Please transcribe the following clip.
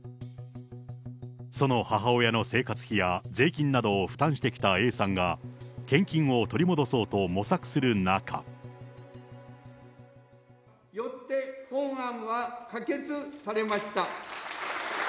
その母親の生活費や税金などを負担してきたＡさんが献金を取り戻よって本案は可決されました。